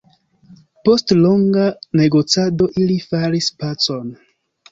Post longa negocado ili faris pacon.